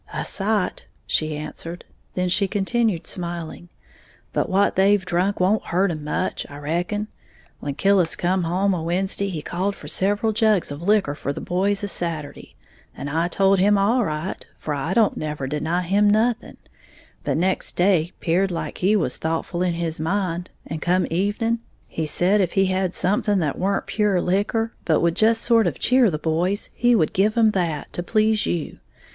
"A sight!" she answered; then she continued smiling, "but what they've drank won't hurt 'em much, I reckon. When Killis come home a Wednesday, he called for several jugs of liquor for the boys a Saturday; and I told him all right, for I don't never deny him nothing. But next day 'peared like he was thoughtful in his mind, and come evening, he said if he had something that weren't pure liquor, but would just sort of cheer the boys, he would give 'em that, to please you.